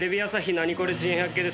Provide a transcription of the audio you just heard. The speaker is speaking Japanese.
『ナニコレ珍百景』です。